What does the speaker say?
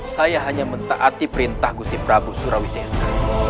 saya hanya mentaati perintah gusti prabu surawi sesa